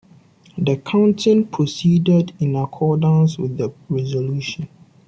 The counting proceeded in accordance with the resolution.